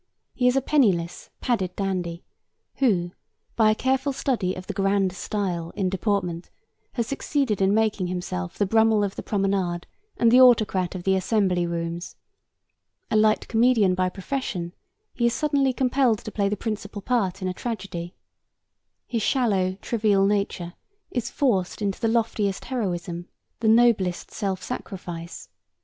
He is a penniless, padded dandy who, by a careful study of the 'grand style' in deportment, has succeeded in making himself the Brummel of the promenade and the autocrat of the Assembly Rooms. A light comedian by profession, he is suddenly compelled to play the principal part in a tragedy. His shallow, trivial nature is forced into the loftiest heroism, the noblest self sacrifice.